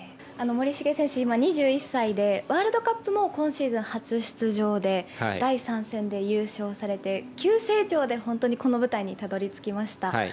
森重選手、今２１歳でワールドカップも今シーズン初出場で第３戦で優勝されて急成長で本当に、この舞台にたどりつきました。